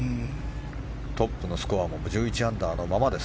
トップのスコアも１１アンダーのままです。